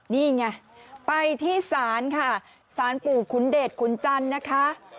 นี่ไงไปที่ศาลค่ะสารปู่ขุนเดชขุนจันทร์นะคะ